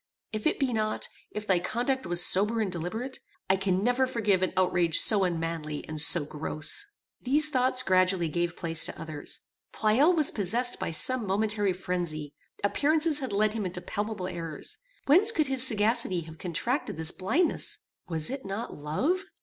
If it be not, if thy conduct was sober and deliberate, I can never forgive an outrage so unmanly, and so gross. These thoughts gradually gave place to others. Pleyel was possessed by some momentary phrenzy: appearances had led him into palpable errors. Whence could his sagacity have contracted this blindness? Was it not love?